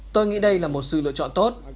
tôi nghĩ đây là một sự lựa chọn tốt